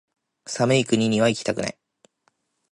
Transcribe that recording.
寒い国にはいきたくない